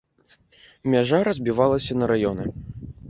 Мяжа разбівалася на раёны.